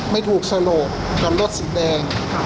ไม่ถูกสโลกกับรถสิทธิ์นะครับ